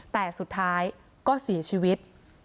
แต่สุดท้ายก็เสียชีวิต